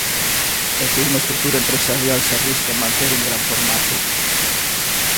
E que unha estrutura empresarial se arrisque a manter un gran formato?